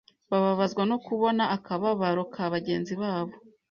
bababazwa no kubona akababaro ka bagenzi babo?